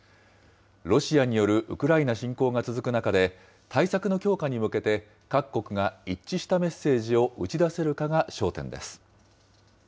ロシアによるウクライナ侵攻が続く中で、対策の強化に向けて、各国が一致したメッセージを打ち出せるかが焦点です。